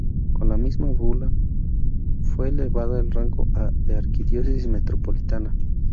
Con la misma bula, Przemyśl fue elevada al rango de arquidiócesis metropolitana.